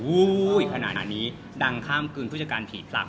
อุ้ยขนาดนี้ดังข้ามกลืนผู้จัดการผิดหลัก